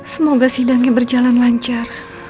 semoga sindangnya berjalan lancar